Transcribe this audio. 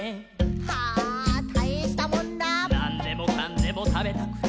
「なんでもかんでもたべたくて」